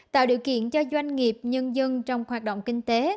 tạo điều kiện cho doanh nghiệp nhân dân trong hoạt động kinh tế